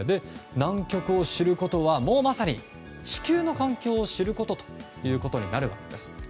南極を知ることはもうまさに地球の環境を知ることになるわけですね。